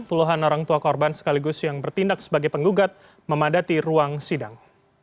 puluhan orang tua korban sekaligus yang bertindak sebagai penggugat memadati ruang sidang